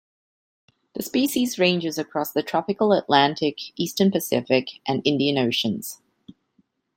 This species ranges across the tropical Atlantic, eastern Pacific, and Indian Oceans.